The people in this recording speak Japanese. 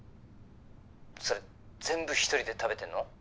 それ全部１人で食べてんの？